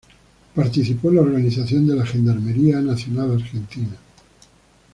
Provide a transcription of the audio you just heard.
Participó en la organización de la Gendarmería Nacional Argentina.